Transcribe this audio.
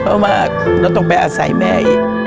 เพราะว่าเราต้องไปอาศัยแม่อีก